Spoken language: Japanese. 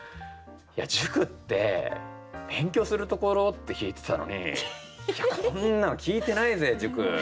いや塾って勉強するところって聞いてたのにこんなの聞いてないぜ塾。